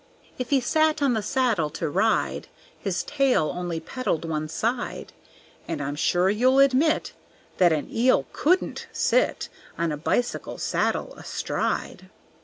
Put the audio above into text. If he sat on the saddle to ride His tail only pedalled one side; And I'm sure you'll admit That an eel couldn't sit On a bicycle saddle astride.